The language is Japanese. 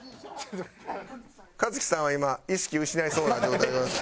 香月さんは今意識失いそうな状態でございます。